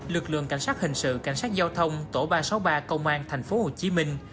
lực lượng cảnh sát hình sự cảnh sát giao thông tổ ba trăm sáu mươi ba công an thành phố hồ chí minh